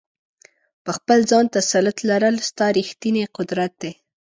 په خپل ځان تسلط لرل، ستا ریښتنی قدرت دی.